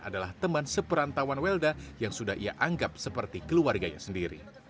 adalah teman seperantawan welda yang sudah ia anggap seperti keluarganya sendiri